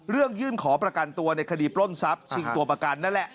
ยื่นขอประกันตัวในคดีปล้นทรัพย์ชิงตัวประกันนั่นแหละ